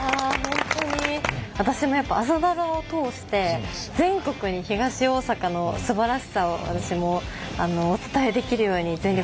私もやっぱ「朝ドラ」を通して全国に東大阪のすばらしさを私もお伝えできるように全力で頑張りたいなと。